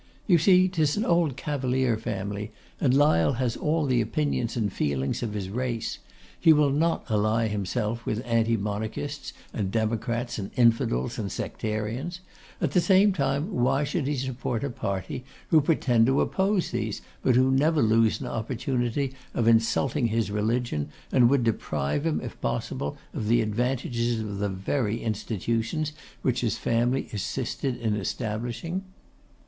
You see 'tis an old Cavalier family, and Lyle has all the opinions and feelings of his race. He will not ally himself with anti monarchists, and democrats, and infidels, and sectarians; at the same time, why should he support a party who pretend to oppose these, but who never lose an opportunity of insulting his religion, and would deprive him, if possible, of the advantages of the very institutions which his family assisted in establishing?